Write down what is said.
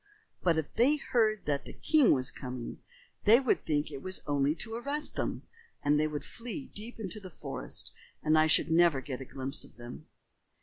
But if they heard that the king was coming, they would think it was only to arrest them, and they would flee deep into the forest and I should never get a glimpse of them."